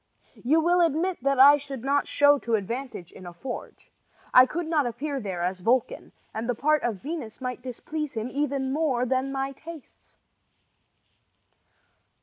You will admit that I should not show to advantage in a forge. I could not appear there as Vulcan, and the part of Venus might displease him even more than my tastes.